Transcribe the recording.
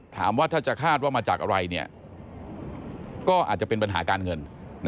ถามว่าถ้าจะคาดว่ามาจากอะไรก็อาจจะเป็นปัญหาการเงิน